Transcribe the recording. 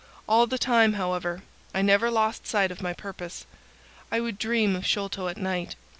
All the time, however, I never lost sight of my purpose. I would dream of Sholto at night.